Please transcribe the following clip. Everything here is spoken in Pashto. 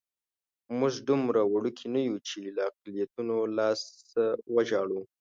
موږ دومره وړوکي نه یو چې له اقلیتونو لاسه وژاړو.